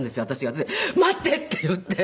それで「待って」って言って。